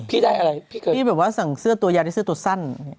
พี่ได้อะไรพี่เคยพี่แบบว่าสั่งเสื้อตัวยาได้เสื้อตัวสั้น